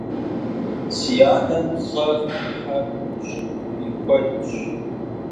Си анэм пхъэ хьэкъущыкъу и куэдт.